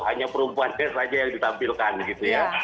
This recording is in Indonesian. hanya perempuan kes aja yang ditampilkan gitu ya